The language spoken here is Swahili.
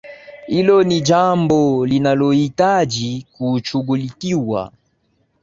Hilo ni jambo linalohitaji kushughulikiwa